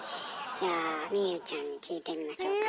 じゃあ望結ちゃんに聞いてみましょうかね。